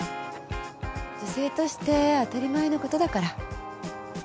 女性として当たり前のことだから。